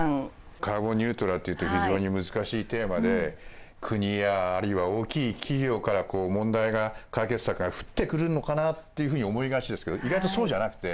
カーボンニュートラルっていうと非常に難しいテーマで国やあるいは大きい企業から問題が解決策が降ってくるのかなっていうふうに思いがちですけど意外とそうじゃなくて。